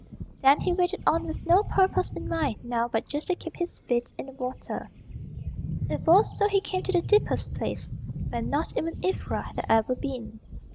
Then he waded on with no purpose in mind now but just to keep his feet in the water. It was so he came to the deepest place; where not even Ivra had ever been.